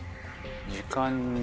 時間に。